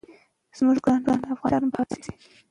زموږ ګران افغانستان به اباد شي.